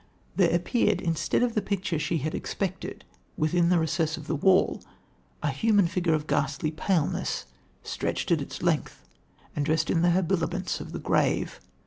"There appeared, instead of the picture she had expected, within the recess of the wall, a human figure of ghastly paleness, stretched at its length, and dressed in the habiliments of the grave.